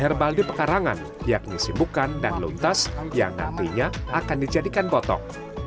herbal di pekarangan yakni sibukkan dan luntas yang nantinya akan dijadikan botok